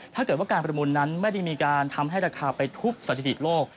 ถ้าเกิดว่าการประมูลนั้นไม่ได้มีการทำให้ราคาไปทุบสถิติโลก